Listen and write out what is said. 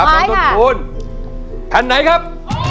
เอาละครับท่านต้นคุณแผ่นไหนครับ